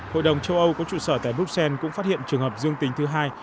hội đồng châu âu có trụ sở tại bruxelles cũng phát hiện trường hợp dương tính thứ hai